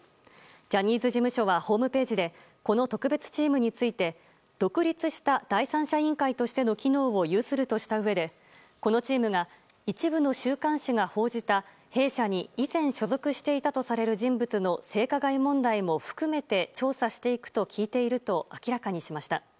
ジャニーズ事務所はホームページでこの特別チームについて独立した第三者委員会としての機能を有するとしたうえでこのチームが一部の週刊誌が報じた弊社に以前所属していたとされる人物の性加害問題も含めて調査していくと聞いていると明らかにしました。